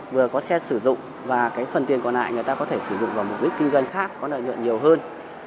vừa có xe sử dụng và phần tiền còn lại người ta có thể sử dụng vào mục đích kinh doanh khác có lợi nhuận nhiều hơn